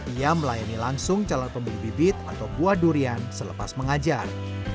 ia melayani langsung calon pembeli bibit atau buah durian selepas mengajar